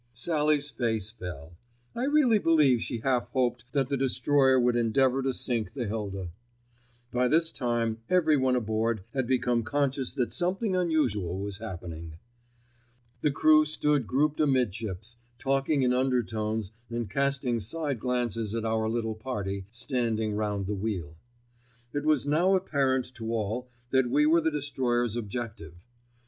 Sallie's face fell. I really believe she half hoped that the destroyer would endeavour to sink the Hilda. By this time everyone aboard had become conscious that something unusual was happening. The crew stood grouped amidships, talking in undertones and casting side glances at our little party standing round the wheel. It was now apparent to all that we were the destroyer's objective.